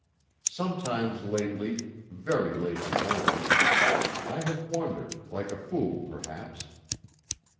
Sometimes, lately very lately only I have wondered, like a fool perhaps.